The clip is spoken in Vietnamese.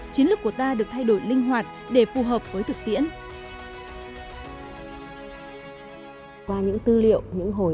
chiến lược của ta được thay đổi linh hoạt để phù hợp với thực tiễn